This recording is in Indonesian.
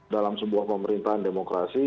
dalam sebuah pemerintahan demokrasi